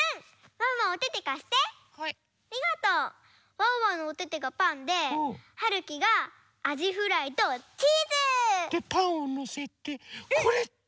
ワンワンのおててがパンではるきがあじフライとチーズ！でパンをのせて。